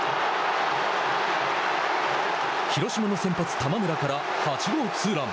広島の先発、玉村から８号ツーラン。